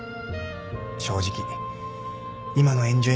正直今のエンジョイ